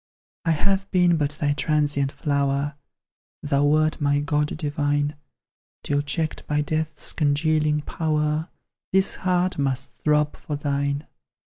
I have been but thy transient flower, Thou wert my god divine; Till checked by death's congealing power, This heart must throb for thine.